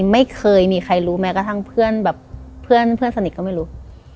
ไม่เคยมีใครรู้แม้กระทั่งเพื่อนแบบเพื่อนสนิทก็ไม่รู้